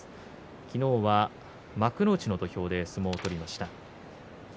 昨日は幕内の土俵で相撲を取りました。